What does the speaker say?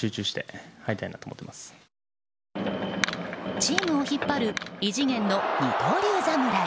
チームを引っ張る異次元の二刀流侍。